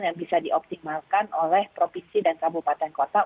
yang bisa dioptimalkan oleh provinsi dan kabupaten kota